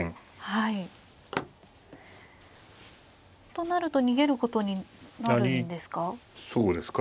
となると逃げることになるんですか。